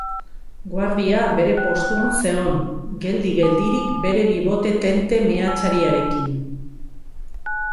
Guardia bere postuan zegoen, geldi-geldirik, bere bibote tente mehatxariarekin.